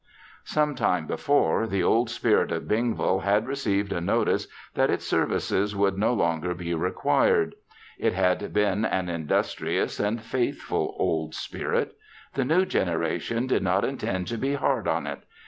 Some time before, the Old Spirit of Bingville had received notice that its services would no longer be required. It had been an industrious and faithful Old Spirit. The new generation did not intend to be hard on it.